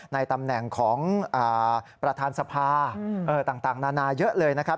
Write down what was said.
ในตำแหน่งของประธานสภาต่างนานาเยอะเลยนะครับ